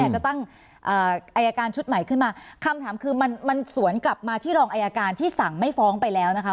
จะตั้งอายการชุดใหม่ขึ้นมาคำถามคือมันสวนกลับมาที่รองอายการที่สั่งไม่ฟ้องไปแล้วนะคะ